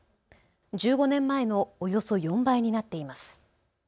１５年前のおよそ４倍になっています。